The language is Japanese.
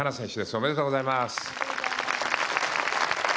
ありがとうございます。